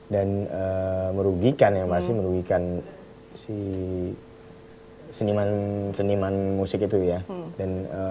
dan merugikan ya yang pasti merugikan si seniman seniman musik itu ya